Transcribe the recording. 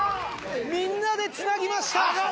みんなでつなぎました！